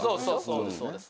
そうですそうです。